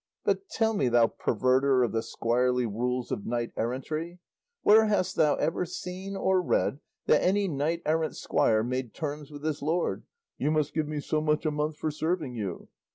But tell me, thou perverter of the squirely rules of knight errantry, where hast thou ever seen or read that any knight errant's squire made terms with his lord, 'you must give me so much a month for serving you'?